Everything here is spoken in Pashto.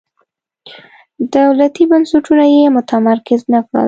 دولتي بنسټونه یې متمرکز نه کړل.